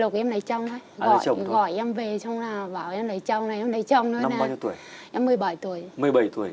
lục em lấy chồng gọi em về xong là bảo em lấy chồng này lấy chồng năm bao nhiêu tuổi em một mươi bảy tuổi một mươi bảy tuổi